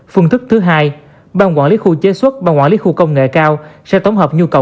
phương thức thứ hai ban quản lý khu chế xuất ban quản lý khu công nghệ cao sẽ tổng hợp nhu cầu